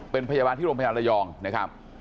เป็นพยาบาลที่โรงพยาบาลระยองนะครับ